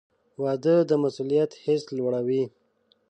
• واده د مسؤلیت حس لوړوي.